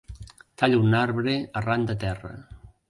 Tallo un arbre arran de terra.